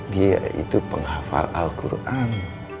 dia itu penghafal al quran